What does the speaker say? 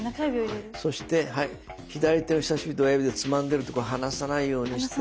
そしてはい左手の人さし指と親指でつまんでるところ離さないようにして。